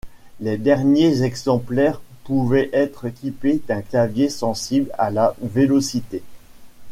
Les derniers exemplaires pouvaient être équipés d'un clavier sensible à la vélocité.